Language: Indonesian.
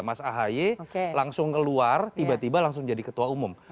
mas ahy langsung keluar tiba tiba langsung jadi ketua umum